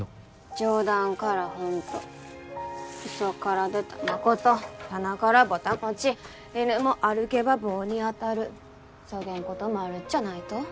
冗談から本当嘘から出たまこと棚からぼた餅犬も歩けば棒に当たるそげんこともあるっちゃないと？